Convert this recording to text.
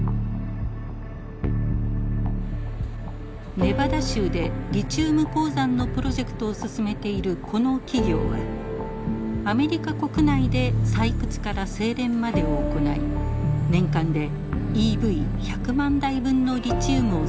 ネバダ州でリチウム鉱山のプロジェクトを進めているこの企業はアメリカ国内で採掘から精錬までを行い年間でＥＶ１００万台分のリチウムを生産する計画です。